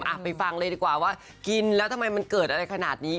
ไปฟังเลยดีกว่าว่ากินแล้วทำไมมันเกิดอะไรขนาดนี้